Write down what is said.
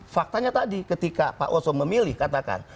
faktanya tadi ketika pak oso memilih katakan